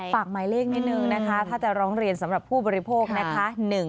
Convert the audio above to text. ฝากหมายเลขนิดนึงนะคะถ้าจะร้องเรียนสำหรับผู้บริโภคนะคะ